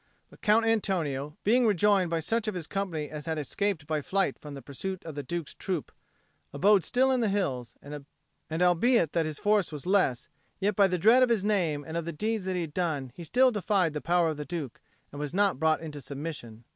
But Count Antonio, being rejoined by such of his company as had escaped by flight from the pursuit of the Duke's troop, abode still in the hills, and albeit that his force was less, yet by the dread of his name and of the deeds that he had done he still defied the power of the Duke, and was not brought to submission.